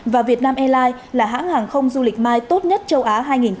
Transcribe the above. và việt nam airlines là hãng hàng không du lịch mi tốt nhất châu á hai nghìn hai mươi